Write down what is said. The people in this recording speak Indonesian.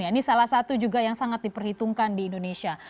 ini salah satu juga yang sangat diperhitungkan di indonesia